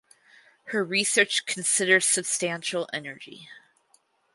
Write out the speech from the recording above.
Her research considers sustainable energy.